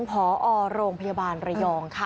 พอโรงพยาบาลระยองค่ะ